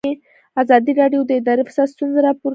ازادي راډیو د اداري فساد ستونزې راپور کړي.